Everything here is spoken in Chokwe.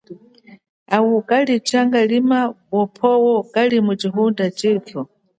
Awu kali changalima cha phowo wamu chihunda chethu.